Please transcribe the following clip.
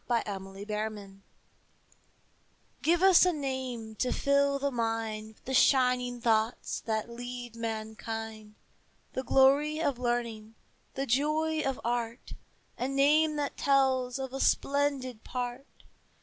THE NAME OF FRANCE Give us a name to fill the mind With the shining thoughts that lead mankind, The glory of learning, the joy of art, A name that tells of a splendid part.